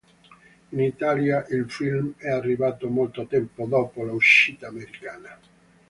In Italia il film è arrivato molto tempo dopo l'uscita americana.